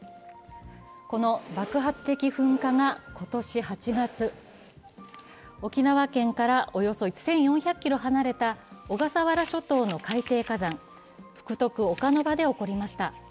この爆発的噴火が今年８月、沖縄県からおよそ１４００ｋｍ離れた小笠原諸島の海底火山、福徳岡ノ場で起こりました。